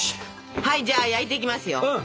はいじゃあ焼いていきますよ！